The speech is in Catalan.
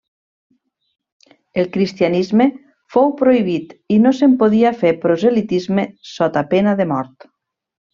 El cristianisme fou prohibit i no se'n podia fer proselitisme sota pena de mort.